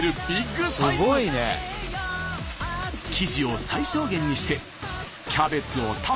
生地を最小限にしてキャベツをたっぷり。